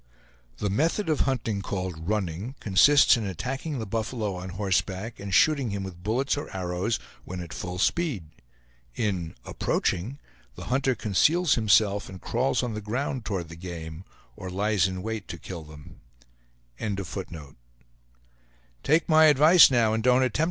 *The method of hunting called "running" consists in attacking the buffalo on horseback and shooting him with bullets or arrows when at full speed. In "approaching," the hunter conceals himself and crawls on the ground toward the game, or lies in wait to kill them.